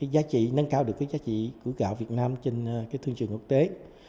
giá trị nâng cao được cái giá trị của gạo việt nam trên cái thương trường quốc tế